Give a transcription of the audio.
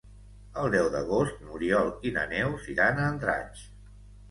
El deu d'agost n'Oriol i na Neus iran a Andratx.